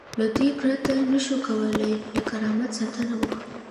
له دوی پرته نشو کولای له کرامت ساتنه وکړو.